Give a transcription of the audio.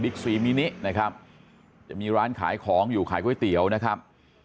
ซีมินินะครับจะมีร้านขายของอยู่ขายก๋วยเตี๋ยวนะครับ